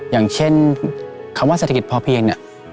อย่างเช่นคำว่าศัตริกิจพอเพียง